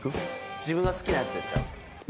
自分が好きなやつちゃう？